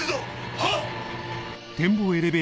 はっ！